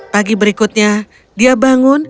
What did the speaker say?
pagi berikutnya dia bangun